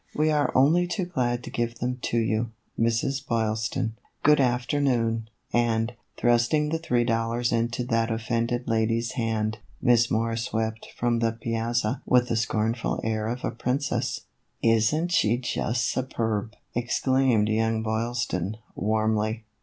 We are only too glad to give them to you, Mrs. Boyl ston. Good afternoon," and, thrusting the three dollars into that offended lady's hand, Miss Moore swept from the piazza with the scornful air of a princess. " Is n't she just superb ?" exclaimed young Boyl ston, warmly.